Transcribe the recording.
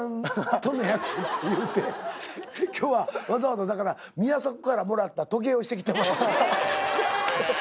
今日はわざわざだから宮迫からもらった時計をして来てます。